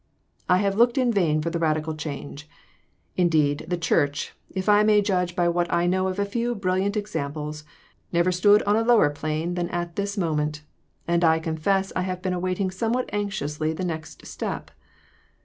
I have looked in vain for the " radical change "; indeed, the church, if I may judge by what I know of a few brilliant examples, never stood on a lower plane than at this moment; and I confess I have been awaiting somewhat anxiously the next step.